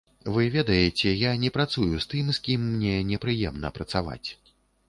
Вы ведаеце, я не працую з тым, з кім мне непрыемна працаваць.